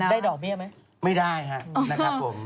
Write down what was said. ดอกเบี้ยไหมไม่ได้ครับนะครับผม